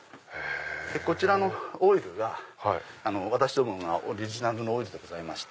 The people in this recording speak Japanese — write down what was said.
こちらのオイルが私どもオリジナルのオイルでして。